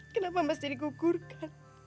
kenapa mas digugurkan